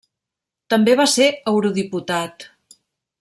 També va ser eurodiputat.